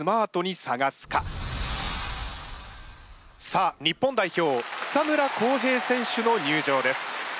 さあ日本代表草村航平選手の入場です。